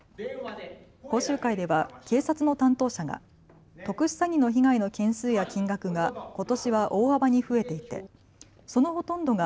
講習会では警察の担当者が特殊詐欺の被害の件数や金額がことしは大幅に増えていてそのほとんどが